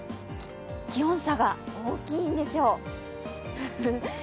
気温差が大きいんですよ。